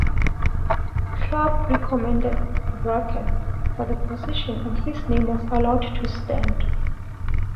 Clubb recommended Bracken for the position, and his name was allowed to stand.